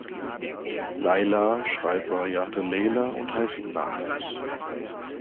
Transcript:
Laila, Schreibvariante "Leyla", und heißt „Nacht“.